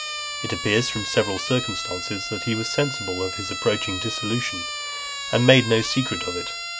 It appears from several circumstances, that he was sensible of his approaching dissolution, and made no secret of it.